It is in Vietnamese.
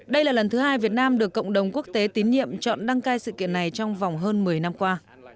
đây là lần thứ hai việt nam được cộng đồng quốc tế tín nhiệm chọn đăng cai sự kiện này trong vòng hơn một mươi năm qua